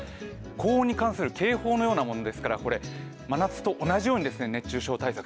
高温に関する警報のようなものですから真夏と同じように熱中症対策